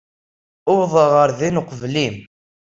Uwḍeɣ ɣer din uqbel-im.